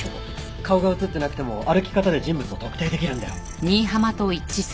顔が映ってなくても歩き方で人物を特定できるんだよ。